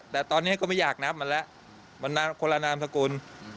แต่ตอนนี้ก็ไม่อยากนับมันแล้วมันคนละนามสกุล